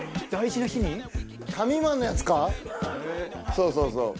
そうそうそう。